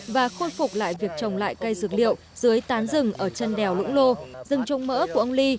và khôi phục lại việc trồng lại cây dược liệu dưới tán rừng ở chân đèo lũng lô rừng trông mỡ của ông ly